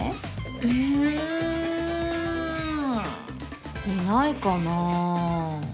うんいないかな。